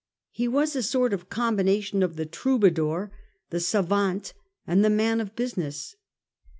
He was a sort of combination of the troubadour, savant, and the man of business.